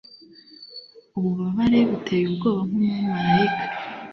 ububabare buteye ubwoba nkumumarayika